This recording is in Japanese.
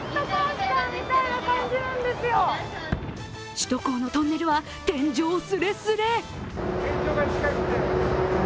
首都高のトンネルは天井スレスレ。